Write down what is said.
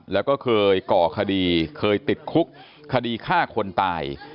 แล้วก็เคยก่อคดีเคยติดคุกคดีฆ่าคนตาย